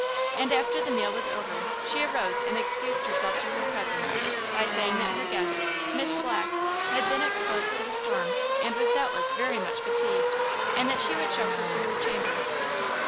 And after the meal was over she arose and excused herself to her cousin by saying that her guest, Miss Black, had been exposed to the storm and was doubtless very much fatigued and that she would show her to her chamber.